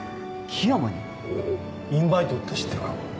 おうインバイトって知ってるか？